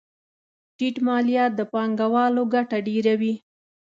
ټیټ مالیات د پانګوالو ګټه ډېروي.